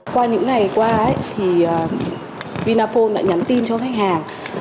qua những ngày qua thì vinaphone đã nhắn tin cho khách hàng